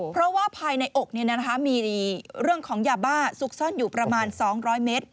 เพราะว่าภายในอกมีเรื่องของยาบ้าซุกซ่อนอยู่ประมาณ๒๐๐เมตร